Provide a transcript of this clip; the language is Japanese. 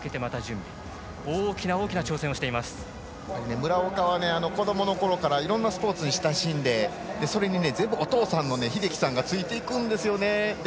村岡は子どものころからいろいろなスポーツに取り組んでそれに全部、お父さんがついていくんですね。